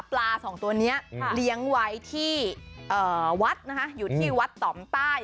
ปลาสองตัวเนี้ยค่ะเลี้ยงไว้ที่เอ่อวัดนะคะอยู่ที่วัดต่อมใต้